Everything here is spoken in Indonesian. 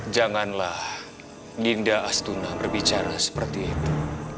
janganlah ninda astuna berbicara seperti itu